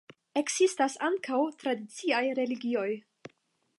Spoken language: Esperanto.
Ekzistas ankaŭ tradiciaj religioj.